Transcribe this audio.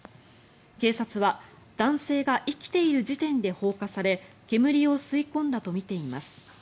警察は男性が生きている時点で放火され煙を吸い込んだとみています。